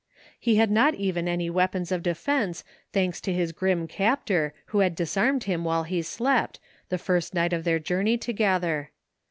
He had not even any weapons of defence, thanks to his grim captor who had disarmed him while he slept, the first night of their journey to gether.